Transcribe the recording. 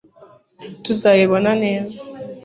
tuzabibona neza